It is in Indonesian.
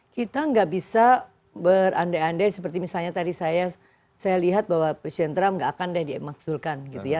kita nggak bisa berandai andai seperti misalnya tadi saya lihat bahwa presiden trump nggak akan deh dimaksudkan gitu ya